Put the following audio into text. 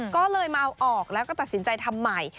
ก็เลยมาเอาออกแล้วก็ตัดสินใจทำใหม่